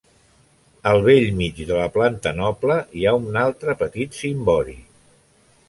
Al bell mig de la planta noble hi ha un altre petit cimbori.